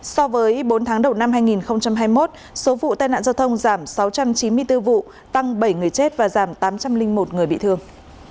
so với bốn tháng đầu năm hai nghìn hai mươi một số vụ tai nạn giao thông giảm sáu trăm chín mươi bốn vụ tăng bảy người chết và giảm tám trăm linh một người bị thương